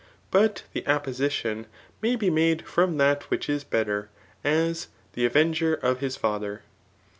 Bat the apportion may be made from that which is better ; as^ i^ ctvenger of his father.